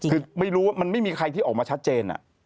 คือไม่รู้ว่ามันไม่มีใครที่ออกมาชัดเจน